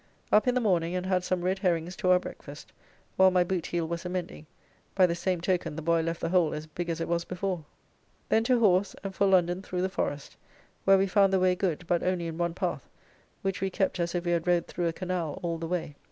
Up in the morning, and had some red herrings to our breakfast, while my boot heel was a mending, by the same token the boy left the hole as big as it was before. Then to horse, and for London through the forest, where we found the way good, but only in one path, which we kept as if we had rode through a canal all the way.